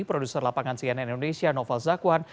produser lapangan cnn indonesia noval zakwan